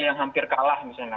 yang hampir kalah misalnya